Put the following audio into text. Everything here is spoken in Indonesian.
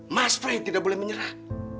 mas fai tidak boleh menyerah